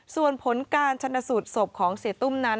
ส่วนผลการชนสูตรศพของเสียตุ้มนั้น